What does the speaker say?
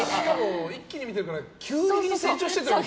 一気に見てるから急に成長してくでしょ。